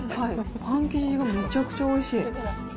パン生地がめちゃくちゃおいしい。